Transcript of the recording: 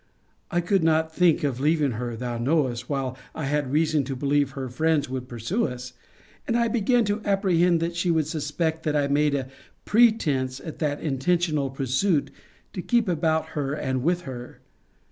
I could not think of leaving her, thou knowest, while I had reason to believe her friends would pursue us; and I began to apprehend that she would suspect that I made a pretence of that intentional pursuit to keep about her and with her.